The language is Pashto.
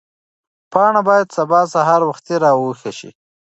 پاڼه باید سبا سهار وختي راویښه شي.